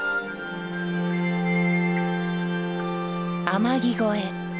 「天城越え」。